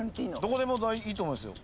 どこでもいいと思いますよ。